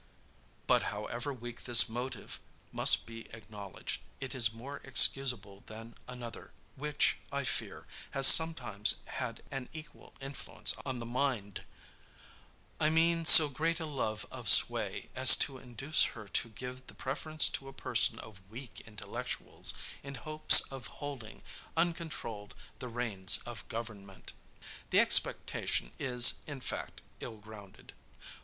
"But however weak this motive must be acknowledged, it is more excusable than another, which, I fear, has sometimes had an equal influence on the mind I mean so great a love of sway, as to induce her to give the preference to a person of weak intellectuals, in hopes of holding, uncontrolled, the reins of government. The expectation is, in fact, ill grounded.